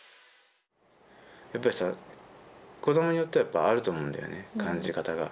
やっぱりさ子どもによってはあると思うんだよね感じ方が。